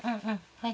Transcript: はい。